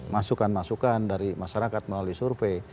masukan masukan dari masyarakat melalui survei